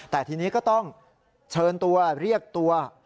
แต่ทีนี้ก็ต้องเชิญตัวเรียกตัว